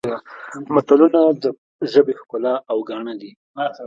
متلونه د ژبې ښکلا او ګاڼه دي